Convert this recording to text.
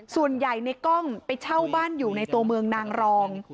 ส่วนใหญ่ในกล้องไปเช่าบ้านอยู่ในตัวเมืองนางรอง